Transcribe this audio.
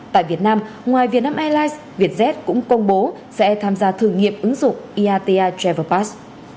tại việt nam ngoài việt nam airlines vietjet cũng công bố sẽ tham gia thử nghiệm ứng dụng iata travel pass